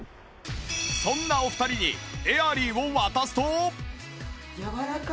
そんなお二人にエアリーを渡すと